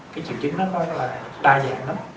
cái triệu chứng đó là đa dạng lắm